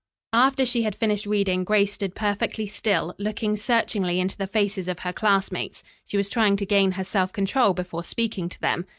After she had finished reading Grace stood perfectly still, looking searchingly into the faces of her classmates. She was trying to gain her self control before speaking to them.